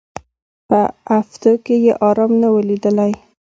په هفتو کي یې آرام نه وو لیدلی